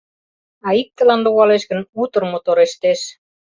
А иктылан логалеш гын, утыр моторештеш.